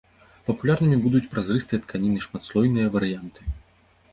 Папулярнымі будуць празрыстыя тканіны, шматслойныя варыянты.